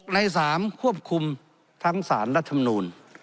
ใน๓ควบคุมทั้งสารรัฐมนูล